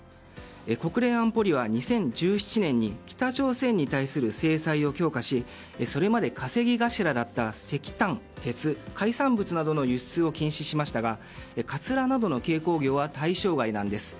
国連安保理は２０１７年に北朝鮮に対する制裁を強化しそれまで稼ぎ頭だった石炭、鉄、海産物などの輸出を禁止しましたがかつらなどの軽工業は対象外なんです。